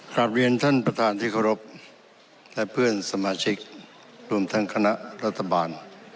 กลับเรียนท่านประธานที่เคารพและเพื่อนสมาชิกรวมทั้งคณะรัฐบาล